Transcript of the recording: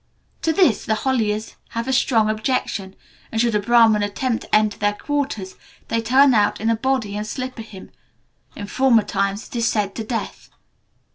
To this the Holiars have a strong objection, and, should a Brahman attempt to enter their quarters, they turn out in a body and slipper him, in former times it is said to death.